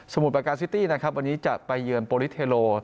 มุดปากกาซิตี้นะครับวันนี้จะไปเยือนโปรลิสเทโล